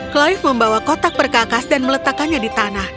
clive membawa kotak berkakas dan meletakkannya di tanah